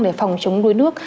để phòng chống đuối nước